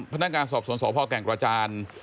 พนักการสอบสวนสอบพ่อแก่งกราจารย์